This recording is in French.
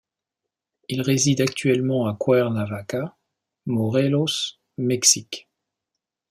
Il réside actuellement à Cuernavaca, Morelos, Mexique.